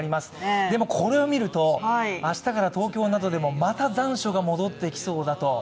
これを見ると、明日から東京などでもまた残暑が戻ってきそうだと。